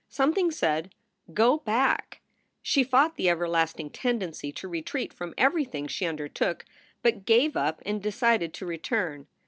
Something said, "Go back!" She fought the everlasting tendency to retreat from everything she undertook, but gave up and decided to return.